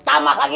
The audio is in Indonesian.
sok tamah lagi